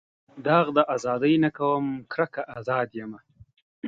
داغ د ازادۍ نه کوم کرکه ازاد پایمه.